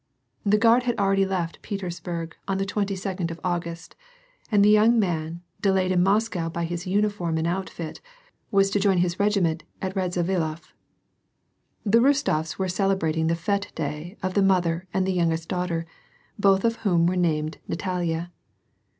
The Guard had already left Petersburg on the twenty second of August, and the young man, delayed in Moscow by his uniform and outfit, was to join his regiment at Radzivilof. The Bostofs were celebrating the fete day of the mother and the youngest daughter, both of whom were named Na talia.